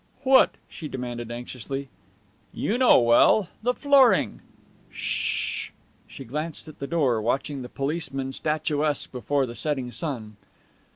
"What?" she demanded anxiously. "You know well the flooring." "Sh h h." She glanced at the door, watching the policeman statuesque before the setting sun.